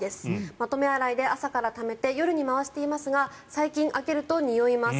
まとめ洗いで朝からためて夜に回していますが最近、開けるとにおいます。